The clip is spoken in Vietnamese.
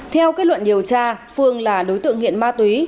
theo kết luận điều tra phương là đối tượng nghiện ma túy